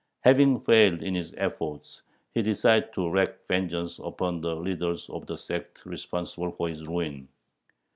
Having failed in his efforts, he decided to wreak vengeance upon the leader of the sect responsible for his ruin.